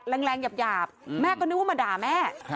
แรงหยาบแม่ก็นึกว่ามาด่าแม่